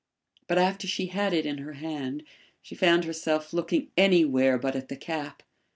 But after she had it in her hand she found herself looking anywhere but at the cap.